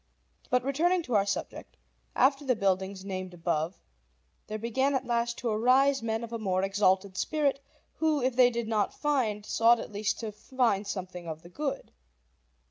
But returning to our subject; after the buildings named above, there began at last to arise men of a more exalted spirit, who, if they did not find, sought at least to find something of the good.